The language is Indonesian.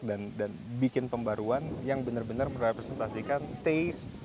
dan bikin pembaruan yang bener bener merepresentasikan taste